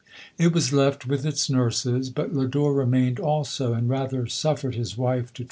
It was left with its nurses, but Lodore remained also, and rather suffered his wife to LODORE.